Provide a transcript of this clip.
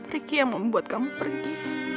riki yang membuat kamu pergi